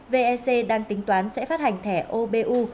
vec đang tính toán sẽ phát hành thẻ obu